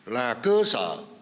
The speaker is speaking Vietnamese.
là cơ sở